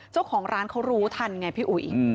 เจ้าของร้านเขารู้ทันไงพี่อุ๋ย